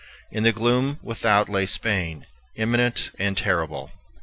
In the gloom without lay Spain, imminent and terrible.